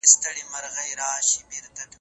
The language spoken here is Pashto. جګړه قرباني غواړي.